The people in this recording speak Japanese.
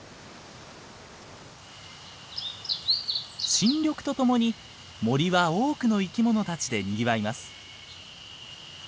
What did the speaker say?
新緑とともに森は多くの生き物たちでにぎわいます。